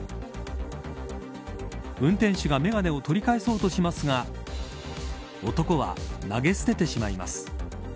運転手が眼鏡を取り返そうとしますが男は投げ捨ててしまいます。